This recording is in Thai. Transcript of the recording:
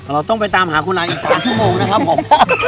เราต้องไปตามหาคุณอาอีก๓ชั่วโมงนะครับผม